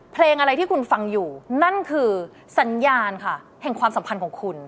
เพลงอะไรที่คุณฟังอยู่นั่นคือสัญญาณค่ะแห่งความสัมพันธ์ของคุณ